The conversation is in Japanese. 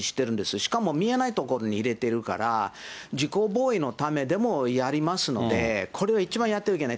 しかも見えないところに入れてるから、自己防衛のためでもやりますので、これは一番やってはいけない。